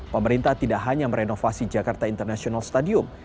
pemerintah tidak hanya merenovasi jakarta international stadium